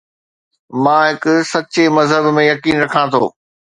مان هڪ سچي مذهب ۾ يقين رکان ٿو